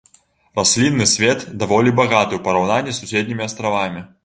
Раслінны свет даволі багаты ў параўнанні з суседнімі астравамі.